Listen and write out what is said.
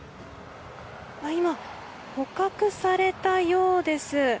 今、捕獲されたようです。